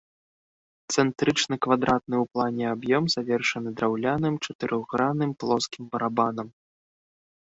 Цэнтрычны квадратны ў плане аб'ём завершаны драўляным чатырохгранным плоскім барабанам.